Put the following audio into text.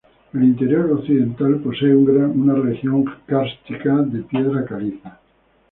El interior occidental posee una gran región kárstica de piedra caliza.